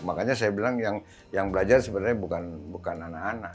makanya saya bilang yang belajar sebenarnya bukan anak anak